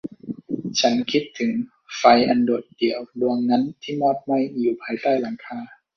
ฉันคิดถึงไฟอันโดดเดี่ยวดวงนั้นที่มอดไหม้อยู่ภายใต้หลังคา